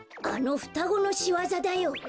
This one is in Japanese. あのふたごのしわざだよ！